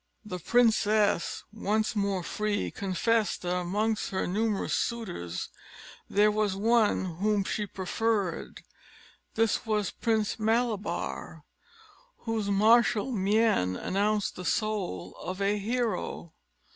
The princess, once more free, confessed that amongst her numerous suitors there was one whom she preferred; this was Prince Malabar, whose martial mien announced the soul of a hero.